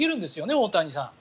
大谷さん。